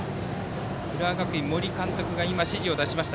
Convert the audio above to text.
浦和学院、森監督が今、指示を出しました。